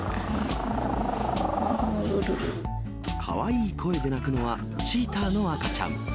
かわいい声で鳴くのは、チーターの赤ちゃん。